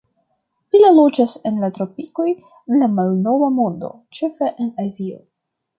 Ili loĝas en la tropikoj de la Malnova Mondo, ĉefe en Azio.